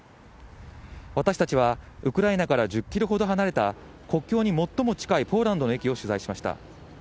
私たちはウクライナから１０キロほど離れた、国境に最も近いポーランドの駅を取材しました。